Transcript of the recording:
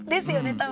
多分。